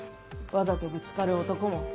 わざとぶつかる男も。